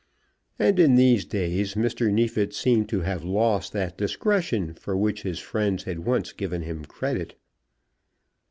And in these days Mr. Neefit seemed to have lost that discretion for which his friends had once given him credit.